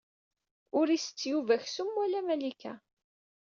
Ur isett Yuba aksum wala Malika.